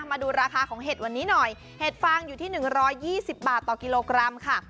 มาดูราคาของเห็ดวันนี้หน่อยเห็ดฟางอยู่ที่๑๒๐บาทต่อกิโลกรัมค่ะ